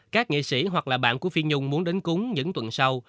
các nghệ sĩ hoặc là bạn của phi nhung muốn đến cúng những tuần sau